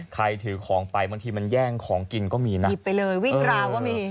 ถือของไปบางทีมันแย่งของกินก็มีนะหยิบไปเลยวิ่งราวก็มี